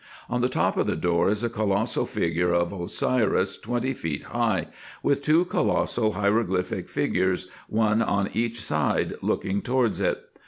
On the top of the door is a colossal figure of Osiris twenty feet high, with two colossal hieroglyphic figures, one on each side, looking towards it.